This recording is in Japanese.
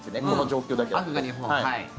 この状況だと。